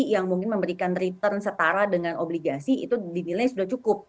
yang mungkin memberikan return setara dengan obligasi itu dinilai sudah cukup